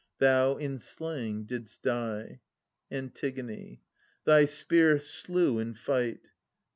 Thou in slaying didst die. Ant. Thy spear slew in fight.